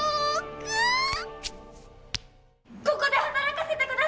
ここで働かせて下さい！